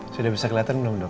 sudah bisa kelihatan belum dok